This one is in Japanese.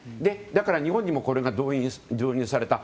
だから日本にもこれが導入された。